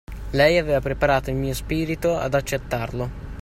Lei aveva preparato il mio spirito ad accettarlo.